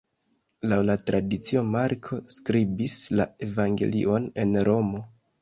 Laŭ la tradicio Marko skribis la evangelion en Romo.